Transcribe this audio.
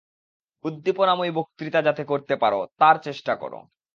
উদ্দীপনাময়ী বক্তৃতা যাতে করতে পার, তার চেষ্টা কর।